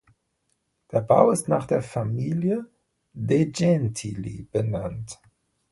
Der Bau ist nach der Familie de Gentili benannt.